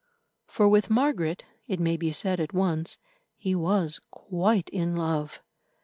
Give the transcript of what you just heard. For with Margaret, it may be said at once, he was quite in love.